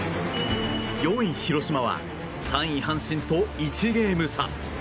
４位、広島は３位、阪神と１ゲーム差。